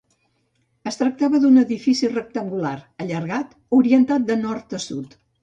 Es tractava d'un edifici rectangular, allargat, orientat de nord a sud.